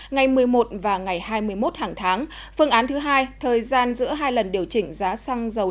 ngày một mươi một và ngày hai mươi một hàng tháng phương án thứ hai thời gian giữa hai lần điều chỉnh giá xăng dầu